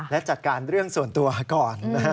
และจัดการเรื่องส่วนตัวก่อนนะฮะ